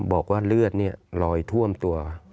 บอกว่าเลือดลอยท่วมตัว